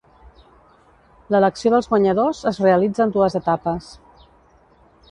L'elecció dels guanyadors es realitza en dues etapes.